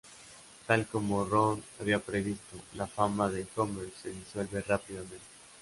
Tal como Ron había previsto, la fama de Homer se disuelve rápidamente.